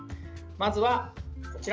まずは、こちら。